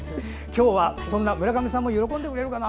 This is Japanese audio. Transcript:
今日はそんな村上さんも喜んでくれるかな？